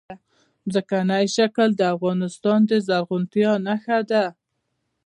ځمکنی شکل د افغانستان د زرغونتیا نښه ده.